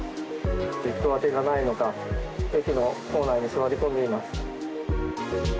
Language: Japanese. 行く当てがないのか駅の構内に座り込んでいます。